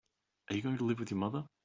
Are you going to live with your mother?